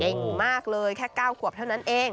มากเลยแค่๙ขวบเท่านั้นเอง